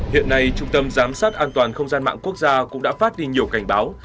hiện nay trung tâm giám sát an toàn không gian mạng quốc gia cũng đã phát đi nhiều cảnh báo